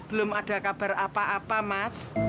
belum ada kabar apa apa mas